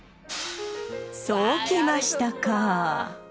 そうきましたか！